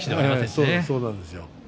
そうなんですよ。